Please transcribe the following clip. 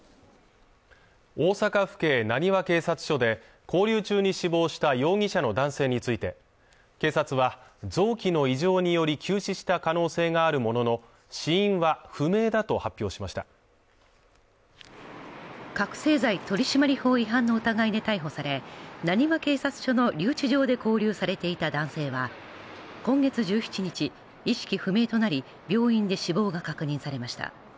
大阪府警浪速警察署で勾留中に死亡した容疑者の男性について警察は臓器の異常により急死した可能性があるものの死因は不明だと発表しました覚醒剤取締法違反の疑いで逮捕され浪速警察署の留置場で勾留されていた男性は今月１７日意識不明となり病院で死亡が確認されました